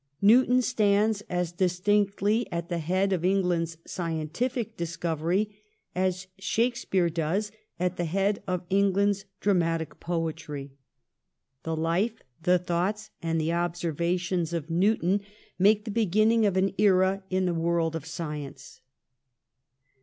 Newton stands as distinctly at the head of England's scientific discovery as Shakespeare does at the head of Eng land's dramatic poetry. The life, the thoughts, and the observations of Newton make the beginning of an era in the world of science.